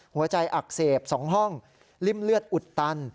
หัวใจอักเสบ๒ห้องริ่มเลือดอุดตัน